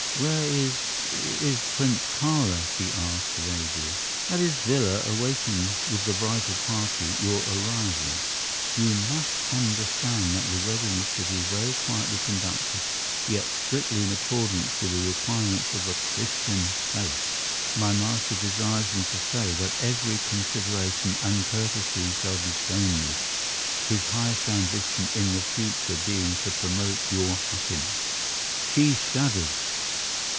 "Where is is Prince Kāra?" she asked, vaguely. "At his villa, awaiting, with the bridal party, your arrival. You must understand that the wedding is to be very quietly conducted, yet strictly in accordance with the requirements of the Christian faith. My master desires me to say that every consideration and courtesy shall be shown you, his highest ambition in the future being to promote your happiness." She shuddered.